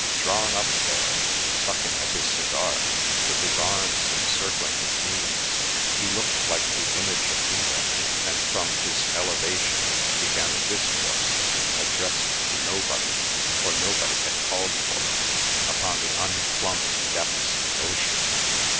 Drawn up there, sucking at his cigar, with his arms encircling his knees, he looked like the image of Buddha, and from this elevation began a discourse, addressed to nobody, for nobody had called for it, upon the unplumbed depths of ocean.